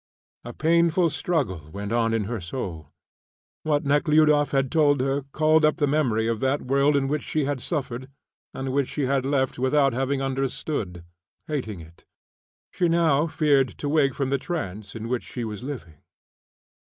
A painful struggle went on in her soul. What Nekhludoff had told her called up the memory of that world in which she had suffered and which she had left without having understood, hating it. She now feared to wake from the trance in which she was living.